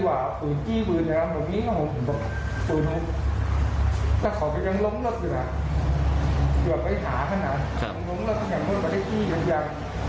เบรียบไว้หาขนาดล้มเราเรียกเมื่อพระเจ้าจิ้มอย่าง